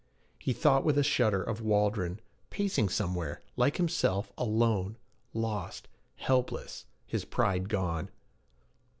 He thought with a shudder of Waldron, pacing somewhere like himself, alone, lost, helpless, his pride gone.